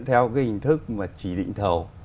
theo cái hình thức mà chỉ định thầu